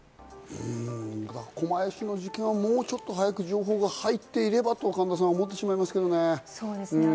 狛江市の事件は、もうちょっと早く情報が入っていればと思ってしまいますけどね。